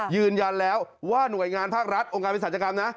ยืนยันแล้วว่าหน่วยงานภาครัฐองค์การวิศาจกรรมนะ